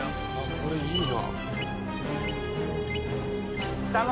これいいな。